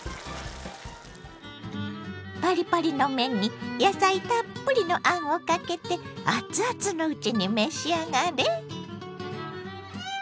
パリパリの麺に野菜たっぷりのあんをかけてアツアツのうちに召し上がれ。